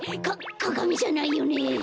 かかがみじゃないよね？